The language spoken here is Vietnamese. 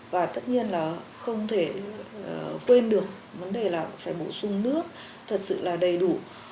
và tất nhiên là không thể quên được vấn đề là phải bổ sung nước thật sự là đầy đủ